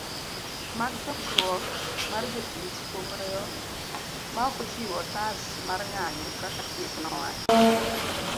mag chokruok mar jotich kuom weyo maokochiwo otas marng'anyo kaka chik wacho